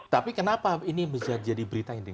tapi kenapa ini menjadi berita yang